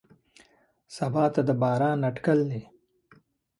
سبا ته د باران اټکل دی.